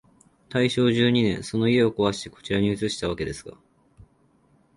大正十二年、その家をこわして、こちらに移したわけですが、